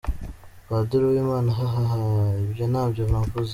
Padiri Uwimana: Hahahaaa ibyo ntabyo navuze.